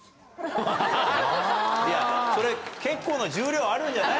いやそれ結構な重量あるんじゃないの？